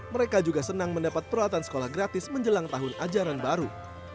mereka juga senang mendapat peralatan sekolah gratis menjelang tahun ajaran baru